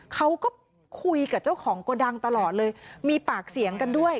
เขาก็คุยกับเจ้าของโกดังตลอดเลยมีปากเสียงกันด้วย